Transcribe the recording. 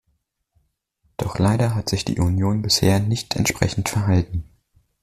Doch leider hat sich die Union bisher nicht entsprechend verhalten.